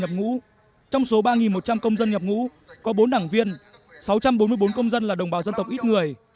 nhập ngũ trong số ba một trăm linh công dân nhập ngũ có bốn đảng viên sáu trăm bốn mươi bốn công dân là đồng bào dân tộc ít người